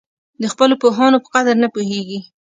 د خپلو پوهانو په قدر نه پوهېږي.